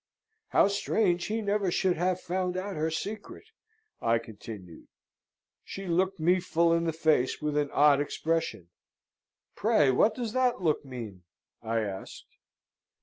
"How strange he never should have found out her secret!" I continued. She looked me full in the face with an odd expression. "Pray, what does that look mean?" I asked.